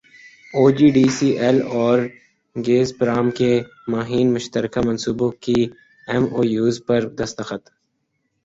او G D C L اور Gazprom کے مابین مشترکہ منصوبوں کے ایم او یوز پر دستخط